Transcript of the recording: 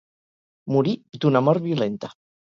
Morí d'una mort violenta.